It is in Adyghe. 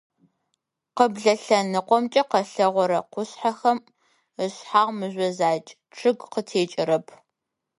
Къыблэ лъэныкъомкӏэ къэлъэгъорэ къушъхьэм ышъхьагъ мыжъо закӏ, чъыг къытекӏэрэп.